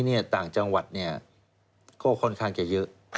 ต่างจังหวัดก็ค่อนข้างจะเยอะ